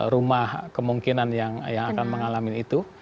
rumah kemungkinan yang akan mengalami itu